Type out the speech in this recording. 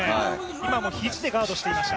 今も肘でガードしていました。